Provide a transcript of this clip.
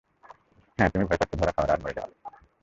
হ্যাঁঁ তুমি ভয় পাচ্ছো ধরা খাওয়ার আর মরে যাওয়ার?